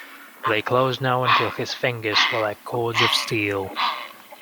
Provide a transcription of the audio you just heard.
They closed now until his fingers were like cords of steel.